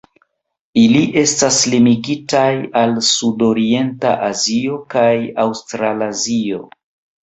Ili estas limigitaj al sudorienta Azio kaj Aŭstralazio.